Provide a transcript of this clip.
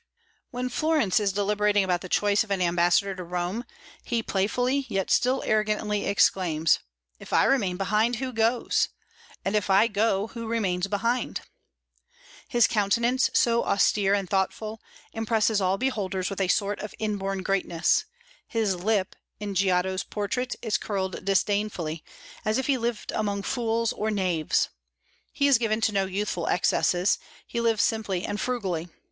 When Florence is deliberating about the choice of an ambassador to Rome, he playfully, yet still arrogantly, exclaims: "If I remain behind, who goes? and if I go, who remains behind?" His countenance, so austere and thoughtful, impresses all beholders with a sort of inborn greatness; his lip, in Giotto's portrait, is curled disdainfully, as if he lived among fools or knaves. He is given to no youthful excesses; he lives simply and frugally.